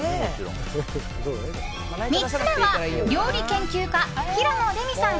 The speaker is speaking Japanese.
３つ目は料理研究家・平野レミさん